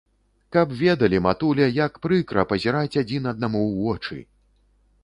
Каб ведалі, матуля, як прыкра пазіраць адзін аднаму ў вочы!